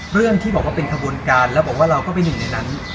เรื่องที่บอกว่าเป็นขบวนการแล้วบอกว่าเราก็เป็นหนึ่งในนั้น